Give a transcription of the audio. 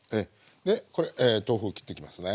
これ豆腐を切っていきますね。